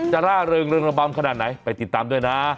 ร่าเริงเริงระบำขนาดไหนไปติดตามด้วยนะ